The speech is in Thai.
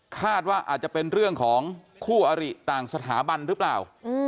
คาดว่าอาจจะเป็นเรื่องของคู่อริต่างสถาบันหรือเปล่า